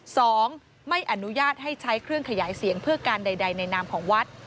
สองไม่อนุญาตให้ใช้เครื่องขยายเสียงเพื่อการใดในนามของวัด